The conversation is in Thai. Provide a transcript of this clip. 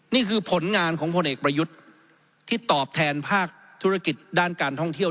นี่คือผลงานของพลเอกประยุทธ์ที่ตอบแทนภาคธุรกิจด้านการท่องเที่ยว